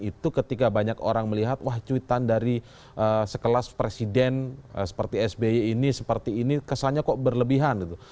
itu ketika banyak orang melihat wah cuitan dari sekelas presiden seperti sby ini seperti ini kesannya kok berlebihan gitu